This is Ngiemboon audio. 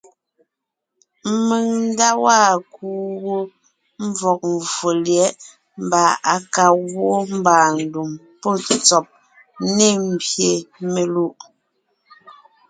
Mèŋ nda waa kuu wó mvɔ̀g mvfò lyɛ̌ʼ mbà à ka gwoon mbàandùm pɔ́ ntsɔ́b ne mbyè melùʼ;